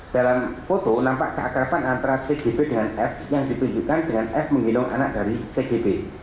dalam foto nampak keakrapan antara tgb dengan f yang ditunjukkan dengan f menghilang anak dari tgb